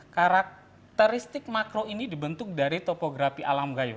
karakteristik makro ini dibentuk dari topografi alam gayung